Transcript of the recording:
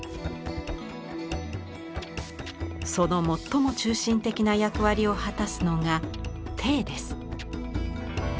その最も中心的な役割を果たすのが鼎です。